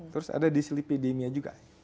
terus ada dyslipidemia juga